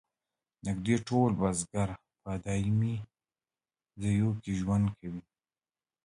نږدې ټول بزګر په دایمي ځایونو کې ژوند کاوه.